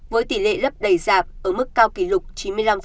với tỷ lệ lấp đầy giạp ở mức cao kỷ lục chín mươi năm